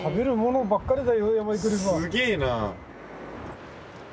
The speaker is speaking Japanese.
すげえな！